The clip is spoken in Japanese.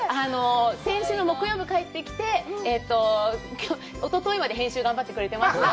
先週の木曜日に帰ってきて、おとといまで編集を頑張ってくれてました。